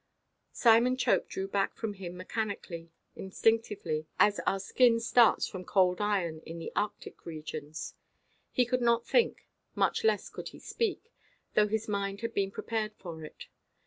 Simon Chope drew back from him mechanically, instinctively, as our skin starts from cold iron in the arctic regions. He could not think, much less could he speak, though his mind had been prepared for it.